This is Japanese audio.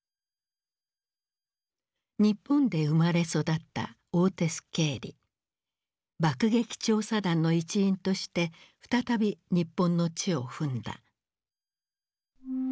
日本で生まれ育った爆撃調査団の一員として再び日本の地を踏んだ。